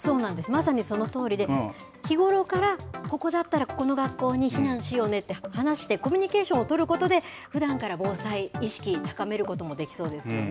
まさにそのとおりで、日頃から、ここだったら、ここの学校に避難しようねって、話して、コミュニケーションを取ることで、ふだんから防災意識高めることもできそうですよね。